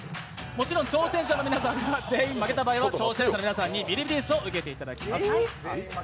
もちろん挑戦者の皆さんが全員負けた場合は挑戦者の皆さんにビリビリを受けていただきます。